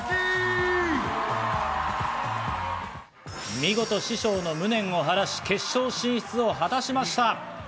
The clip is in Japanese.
見事、師匠の無念を晴らし、決勝進出を果たしました。